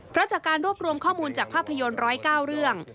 เพราะจากการรวบรวมข้อมูลจากภาพยนตร์๑๐๙เรื่อง